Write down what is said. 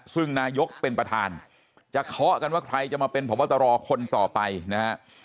ซึ่งนายกเป็นประธานจะเคาะกันว่าใครจะมาเป็นพบตรคนต่อไปนะฮะ